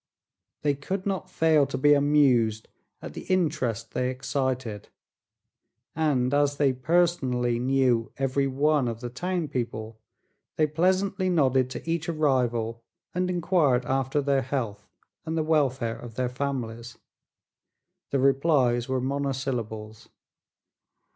They could not fail to be amused at the interest they excited, and as they personally knew every one of the town people they pleasantly nodded to each arrival and inquired after their health and the welfare of their families. The replies were monosyllables.